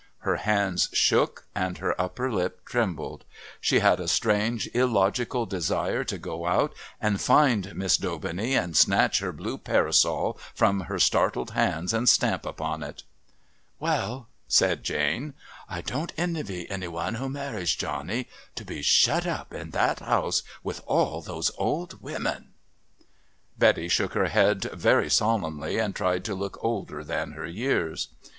Her hands shook and her upper lip trembled. She had a strange illogical desire to go out and find Miss Daubeney and snatch her blue parasol from her startled hands and stamp upon it. "Well," said Jane, "I don't envy any one who marries Johnny to be shut up in that house with all those old women!" Betty shook her head very solemnly and tried to look older than her years.